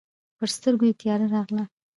پر سترګو يې تياره راغله.